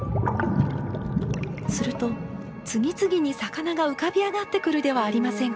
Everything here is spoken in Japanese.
すると次々に魚が浮かび上がってくるではありませんか。